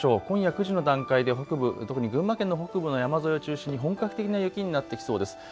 今夜９時の段階で北部、特に群馬県の北部の山沿い中心に本格的に雪になってきそうです。